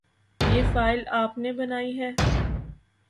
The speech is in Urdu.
یہ فائل آپ نے بنائی ہے ؟